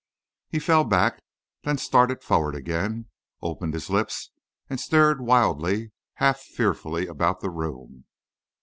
He fell back, then started forward again, opened his lips and stared wildly, half fearfully about the room.